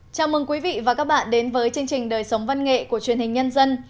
chào mừng quý vị và các bạn đến với chương trình đời sống văn nghệ của truyền hình nhân dân